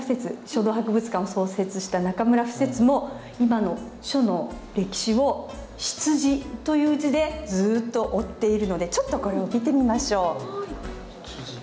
書道博物館を創設した中村不折も今の書の歴史を「羊」という字でずっと追っているのでちょっとこれを見てみましょう。